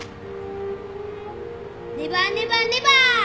「ネバネバネバー」